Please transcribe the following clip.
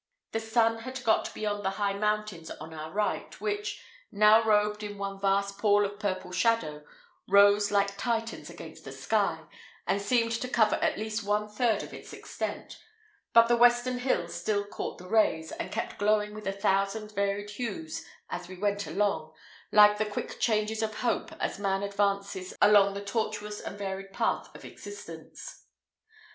The sun had got beyond the high mountains on our right, which, now robed in one vast pall of purple shadow, rose like Titans against the sky, and seemed to cover at least one third of its extent; but the western hills still caught the rays, and kept glowing with a thousand varied hues as we went along, like the quick changes of hope as man advances along the tortuous and varied path of existence.